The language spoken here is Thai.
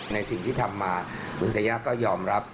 ในสิ่งที่ทำมาคุณเซย่าก็ยอมรับ